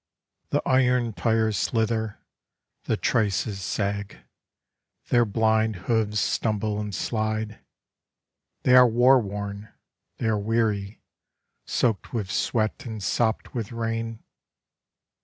The iron tires slither, the traces sag; their blind hooves stumble and slide; They are war worn, they are weary, soaked with sweat and sopped with rain.